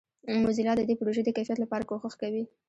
موزیلا د دې پروژې د کیفیت لپاره کوښښ کوي.